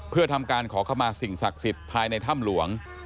เพื่อทำการขอเข้ามาสิ่งศักดิ์สิทธิ์ภายในถ้ำหลวง